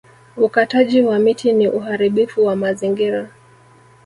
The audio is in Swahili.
Ukataji wa miti ni uharibifu wa mazingira